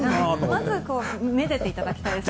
まずめでていただきたいですね。